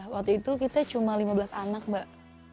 waktu itu kita cuma lima belas anak mbak